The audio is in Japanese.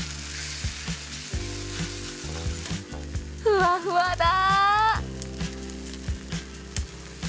ふわふわだ。